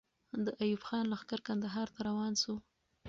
د ایوب خان لښکر کندهار ته روان سو.